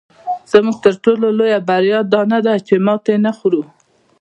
زموږ تر ټولو لویه بریا دا نه ده چې ماتې نه خورو.